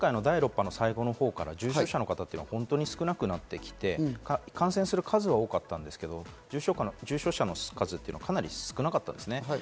全開の第６波の最後のほうから重症化の方は少なくなってきて、感染する数が多かったんですが、重症者の数がかなり少なくなったんですね。